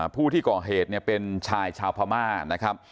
ผู้ที่ก่อเหตุเนี่ยเป็นชายชาวพม่านะครับ